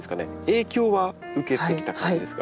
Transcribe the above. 影響は受けてきた感じですか？